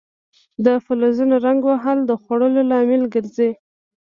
د فلزونو زنګ وهل د خوړلو لامل ګرځي.